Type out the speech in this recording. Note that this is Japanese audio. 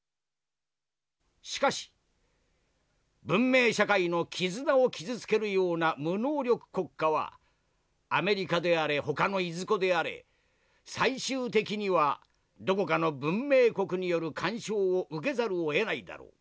しかし文明社会の絆を傷つけるような無能力国家はアメリカであれほかのいずこであれ最終的にはどこかの文明国による干渉を受けざるをえないだろう。